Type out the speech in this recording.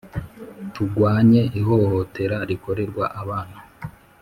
tugwanye ihohotera rikorerwa abana